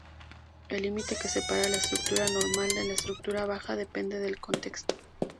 El límite que separa la estatura normal de la estatura baja depende del contexto.